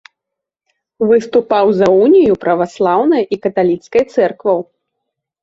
Выступаў за унію праваслаўнай і каталіцкай цэркваў.